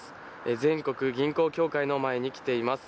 全国銀行協会の前に来ています。